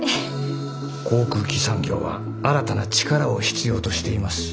航空機産業は新たな力を必要としています。